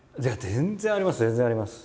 全然あります。